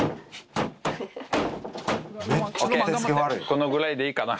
このぐらいでいいかな。